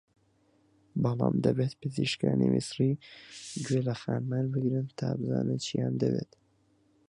بەڵام دەبێت پزیشکانی میسری گوێ لە خانمان بگرن تا بزانن چییان دەوێت